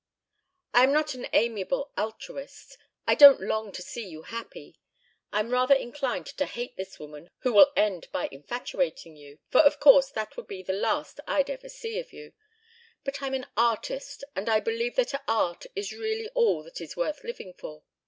I am not an amiable altruist. I don't long to see you happy. I'm rather inclined to hate this woman who will end by infatuating you, for of course that would be the last I'd ever see of you. But I'm an artist and I believe that art is really all that is worth living for.